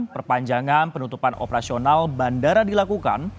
perpanjangan penutupan operasional bandara dilakukan